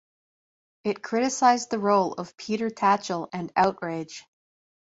It criticized the role of Peter Tatchell and OutRage!